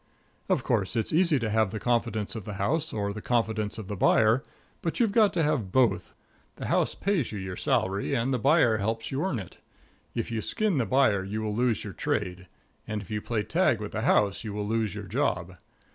Of course, it's easy to have the confidence of the house, or the confidence of the buyer, but you've got to have both. The house pays you your salary, and the buyer helps you earn it. If you skin the buyer you will lose your trade; and if you play tag with the house you will lose your job.